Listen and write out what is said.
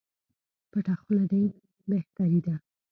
پټه خوله دي بهتري ده